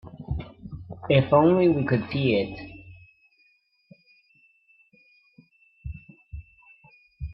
If only we could see it.